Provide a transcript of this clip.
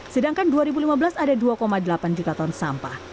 sedangkan dua ribu lima belas ada dua delapan juta ton sampah